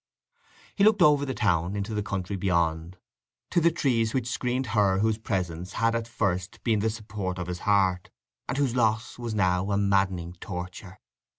He looked over the town into the country beyond, to the trees which screened her whose presence had at first been the support of his heart, and whose loss was now a maddening torture.